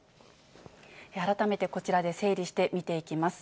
改めてこちらで整理して見ていきます。